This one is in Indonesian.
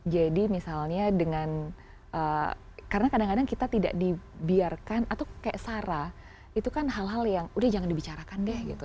jadi misalnya dengan karena kadang kadang kita tidak dibiarkan atau kayak sarah itu kan hal hal yang udah jangan dibicarakan deh gitu